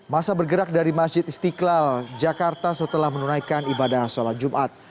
masa bergerak dari masjid istiqlal jakarta setelah menunaikan ibadah sholat jumat